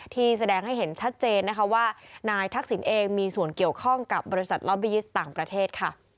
แสดงให้เห็นชัดเจนนะคะว่านายทักษิณเองมีส่วนเกี่ยวข้องกับบริษัทล็อบบียิสต์ต่างประเทศค่ะ